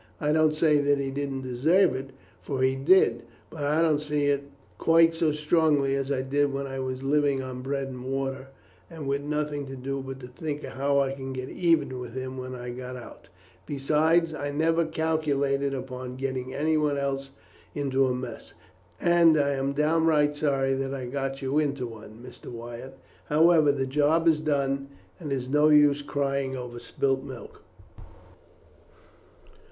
I don't say that he didn't deserve it, for he did; but I don't see it quite so strongly as I did when I was living on bread and water, and with nothing to do but to think of how I could get even with him when I got out; besides, I never calculated upon getting anyone else into a mess, and I am downright sorry that I got you into one, Mr. Wyatt. However, the job is done, and it is no use crying over spilt milk."